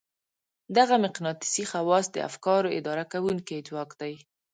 دغه مقناطيسي خواص د افکارو اداره کوونکی ځواک دی.